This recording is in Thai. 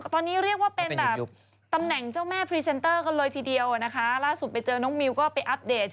ตอนนี้เรียกว่าเป็นแบบตำแหน่งเจ้าแม่พรีเซนเตอร์กันเลยทีเดียวนะคะตอนนี้เรียกว่าเป็นแบบตำแหน่งเจ้าแม่พรีเซนเตอร์กันเลยทีเดียวนะคะ